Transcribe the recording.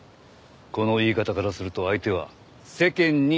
この言い方からすると相手は世間に名の知れた人物。